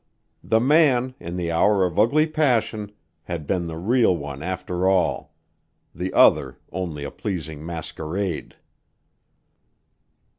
The man, in the hour of ugly passion, had been the real one after all; the other only a pleasing masquerade!